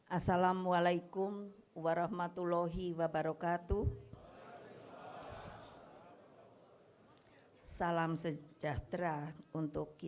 assalamu'alaikum warahmatullahi wabarakatuh